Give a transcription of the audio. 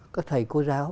các thầy cô giáo